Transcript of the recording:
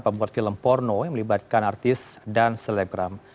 pembuat film porno yang melibatkan artis dan selebgram